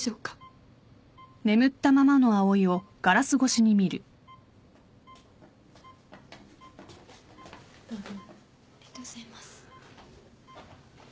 ありがとうございます。